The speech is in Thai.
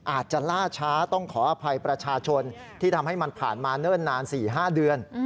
อาจจะล่าช้าต้องขออภัยประชาชนที่ทำให้มันผ่านมาเนิ่นนาน๔๕เดือน